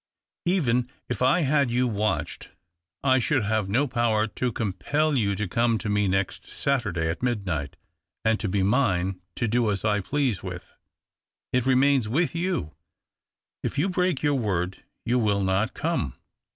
Even if I had you watched I should have no power to compel you to come to me next Saturday at midnight and to be mine, to do as I please with. It remains with you — if you break your word, you will not come.